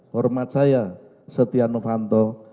hormat saya setia novanto